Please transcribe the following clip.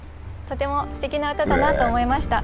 とてもすてきな歌だなと思いました。